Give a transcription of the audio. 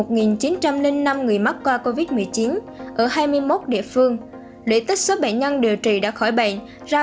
một chín trăm linh năm người mắc qua covid một mươi chín ở hai mươi một địa phương lễ tích số bệnh nhân điều trị đã khỏi bệnh ra